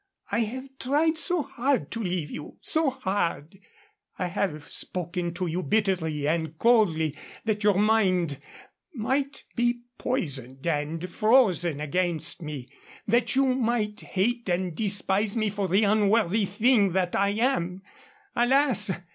I have tried so hard to leave you so hard. I have spoken to you bitterly and coldly, that your mind might be poisoned and frozen against me, that you might hate and despise me for the unworthy thing that I am. Alas!